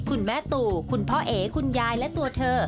คุณแม่ตู่คุณพ่อเอ๋คุณยายและตัวเธอ